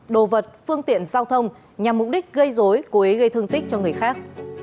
đồ vật phương tiện giao thông nhằm mục đích gây dối cố ý gây thương tích cho người khác